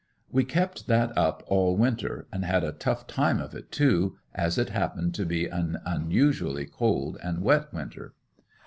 We kept that up all winter and had a tough time of it, too, as it happened to be an unusually cold and wet winter.